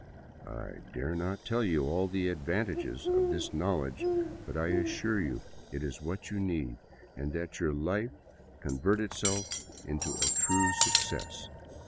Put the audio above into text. ... I dare not tell you all the advantages of this knowledge, but I assure you it is what you need that your life convert itself into a true success.